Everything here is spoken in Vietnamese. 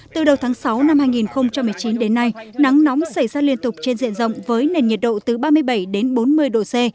từ đầu tháng sáu năm hai nghìn một mươi chín đến nay nắng nóng xảy ra liên tục trên diện rộng với nền nhiệt độ từ ba mươi bảy đến bốn mươi độ c